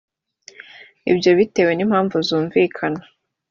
ibyo bitewe n’impamvu zumvikana